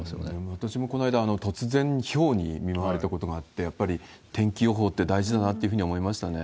私もこないだ、突然ひょうに見舞われたことがあって、やっぱり天気予報って大事だなっていうふうに思いましたね。